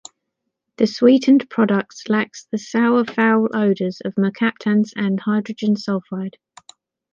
The sweetened products lacks the sour, foul odors of mercaptans and hydrogen sulfide.